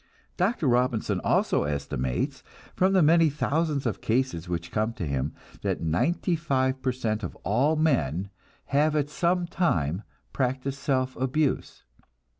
Dr. Robinson also estimates, from the many thousands of cases which come to him, that ninety five per cent of all men have at some time practiced self abuse.